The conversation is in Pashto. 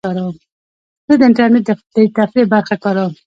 زه د انټرنیټ د تفریح برخه کاروم.